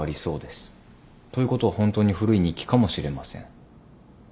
ということは本当に古い日記かもしれません。